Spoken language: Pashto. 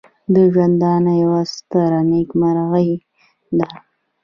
د ژوندانه یوه ستره نېکمرغي ده.